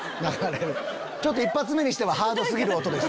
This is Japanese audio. ちょっと１発目にしてはハード過ぎる音でしたね。